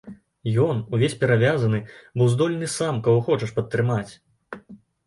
Ён, увесь перавязаны, быў здольны сам каго хочаш падтрымаць!